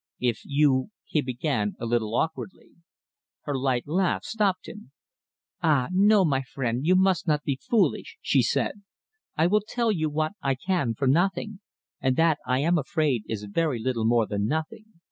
"If you " he began, a little awkwardly. Her light laugh stopped him. "Ah, no! my friend, you must not be foolish," she said. "I will tell you what I can for nothing, and that, I am afraid, is very little more than nothing.